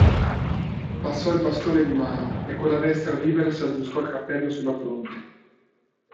Passò il bastone di mano e con la destra libera si aggiustò il cappello sulla fronte.